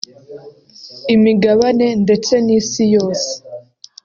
imigabane ndetse n’Isi yose